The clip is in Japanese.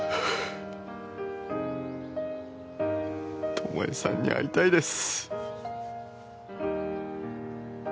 巴さんに会いたいです。